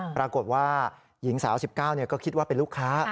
ปรากฏว่าหญิงสาว๑๙ก็คิดว่าเป็นลูกค้า